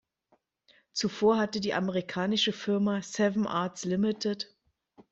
Zuvor hatte die amerikanische Firma "Seven Arts Ltd.